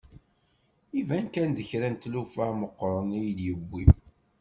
Iban kan d kra n tlufa meqqren i d-yiwi.